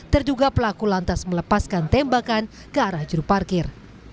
terduga pelaku lantas melepaskan tembakan ke arah juru parkir